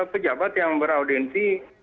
pejabat yang beraudiensi